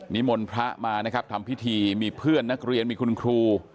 มนต์พระมานะครับทำพิธีมีเพื่อนนักเรียนมีคุณครู